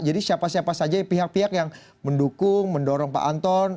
jadi siapa siapa saja pihak pihak yang mendukung mendorong pak anton